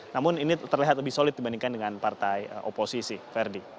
namun ini terlihat lebih solid dibandingkan dengan partai oposisi verdi